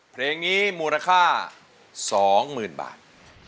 เพลงนี้มูลค่า๒หมื่นบาท